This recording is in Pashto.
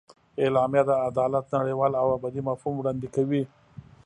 اعلامیه د عدالت نړیوال او ابدي مفهوم وړاندې کوي.